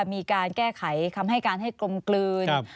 มีการแก้ไขคำให้การให้กลมกลืน